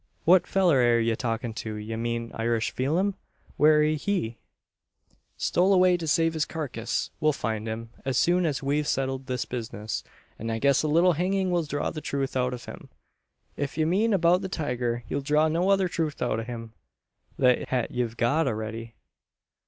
"What fellur air ye talkin' o'? Ye mean Irish Pheelum? Where air he?" "Stole away to save his carcass. We'll find him, as soon as we've settled this business; and I guess a little hanging will draw the truth out of him." "If ye mean abeout the tiger, ye'll draw no other truth out o' him than hat ye've got a'ready.